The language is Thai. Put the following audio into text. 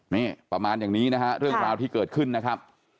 นี่ประมาณอย่างนี้นะฮะเรื่องราวที่เกิดขึ้นนะครับ